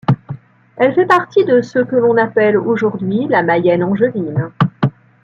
Elle fait partie de ce que l'on appelle aujourd'hui la Mayenne angevine.